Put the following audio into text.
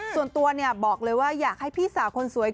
ส่วนตัวบอกเลยว่าอยากให้พี่สาวคนสวย